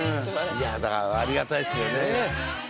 いやだからありがたいっすよね